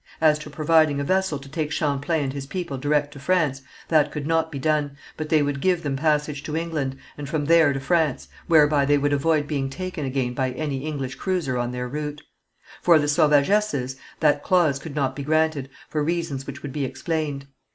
As to providing a vessel to take Champlain and his people direct to France, that could not be done, but they would give them passage to England, and from there to France, whereby they would avoid being again taken by any English cruiser on their route. For the sauvagesses, that clause could not be granted, for reasons which would be explained.